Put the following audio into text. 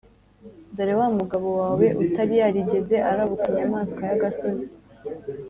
dore wa mugabo wawe utari yarigeze arabukwa inyamaswa y'agasozi